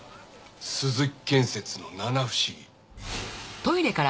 鈴木建設の七不思議。